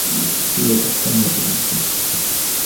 هي تهتم بالموسيقى.